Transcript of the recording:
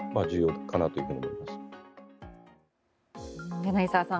柳澤さん